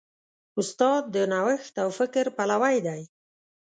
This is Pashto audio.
استاد د نوښت او فکر پلوی دی.